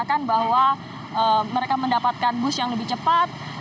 mereka mengetahui bahwa mereka mendapatkan bus yang lebih cepat